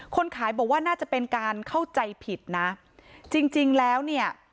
คนขายบอกว่าน่าจะเป็นการเข้าใจผิดนะจริงจริงแล้วเนี่ย